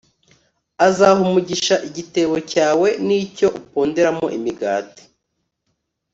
azaha umugisha igitebo cyawe+ n'icyo uponderamo imigati